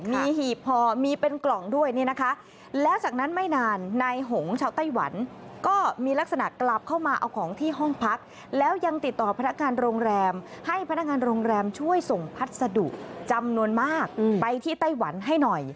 มีหีบพอมีเป็นกล่องด้วยเนี่ยนะคะแล้วจากนั้นไม่นานนายหงชาวไต้หวันก็มีลักษณะกลับเข้ามาเอาของที่ห้องพักแล้วยังติดต่อพนักงานโรงแรมให้พนักงานโรงแรมช่วยส่งพัสดุจำนวนมากไปที่ไต้หวันให้หน่อย